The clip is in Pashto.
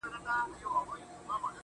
فريادي داده محبت کار په سلگيو نه سي